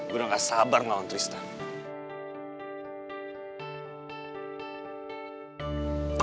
gue udah gak sabar melawan tristan